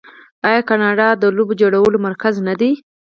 آیا کاناډا د لوبو جوړولو مرکز نه دی؟